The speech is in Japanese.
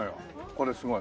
これすごい。